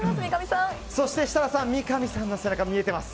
そして設楽さん三上さんの背中見えてます。